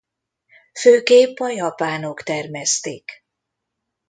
Főképp a japánok termesztik.